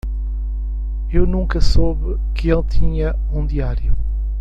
Eu nunca soube que ele tinha um diário.